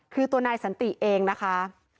คือตัวนายสันติเองนะคะ